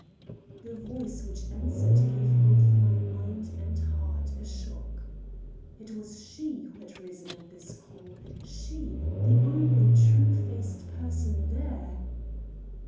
The voice which answered gave both my mind and heart a shock. It was she who had risen at this call. She, the only true faced person there!